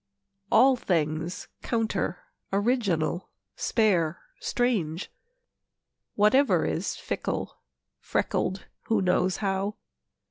All things counter, original, spare, strange; Whatever is fickle, freckled (who knows how?)